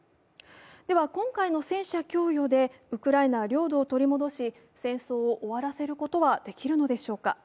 今回の戦車供与でウクライナは領土を取り戻し戦争を終わらせることはできるのでしょうか。